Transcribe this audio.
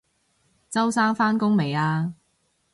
周生返工未啊？